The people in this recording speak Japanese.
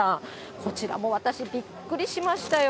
こちらも私、びっくりしましたよ。